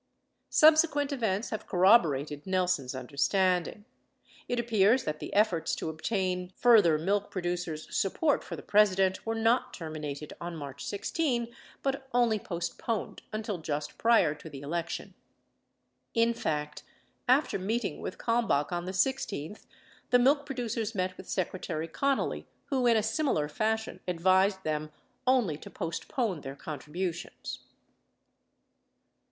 715 Subsequent events have corroborated Nelson's understanding; it appears that the efforts to obtain further milk producers' support for the President were not terminated on March 16 but only postponed until just prior to the election. In fact, after meeting with Kalmbach on the 16th, the milk producers met with Secretary Connally who in a similar fashion advised them only to postpone their contributions.